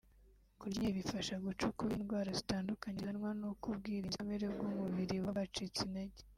Kurya inkeri bifasha guca ukubiri n’indwara zitandukanye zizanwa n’uko ubwirinzi kamere bw’umubiri buba bwacitse intege